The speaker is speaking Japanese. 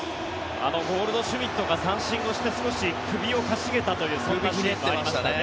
あのゴールドシュミットが三振をして少し首を傾げたというそんなシーンもありましたね。